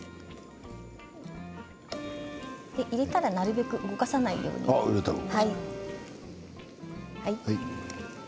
入れたらなるべく動かさないようにしてください。